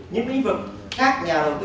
những cái lĩnh vực khác nhà đầu tư